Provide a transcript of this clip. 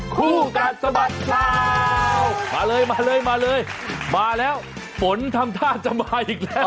คู่กัดสะบัดข่าวมาเลยมาเลยมาเลยมาแล้วฝนทำท่าจะมาอีกแล้ว